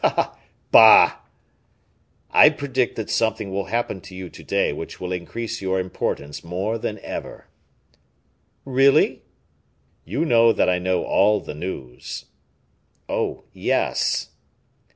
"Ah! bah!" "I predict that something will happen to you to day which will increase your importance more than ever." "Really?" "You know that I know all the news?" "Oh, yes!"